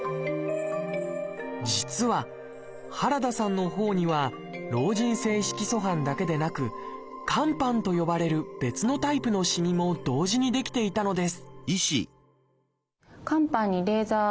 実は原田さんの頬には老人性色素斑だけでなく「肝斑」と呼ばれる別のタイプのしみも同時に出来ていたのです